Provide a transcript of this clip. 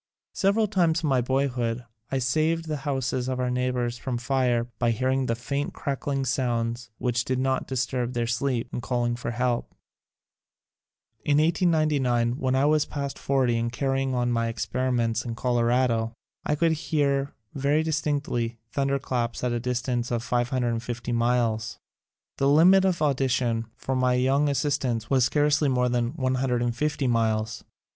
Several times in my boyhood I saved the houses of our neighbors from fire by hearing the faint crackling sounds which did not disturb their sleep, and calling for help. In 1899, when I was past forty and carry ing on my experiments in Colorado, I could hear very distinctly thunderclaps at a dis tance of 550 miles. The limit of audition for my young assistants was scarcely more than 150 miles.